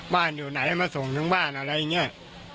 อยู่ไหนมาส่งถึงบ้านอะไรอย่างนี้